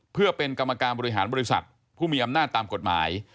เพื่อเป็นกรรมการบริหารบริษัทผู้มีอำนาจตามกฎหมาย